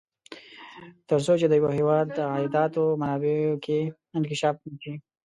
تر څو چې د یوه هېواد د عایداتو منابعو کې انکشاف نه شي.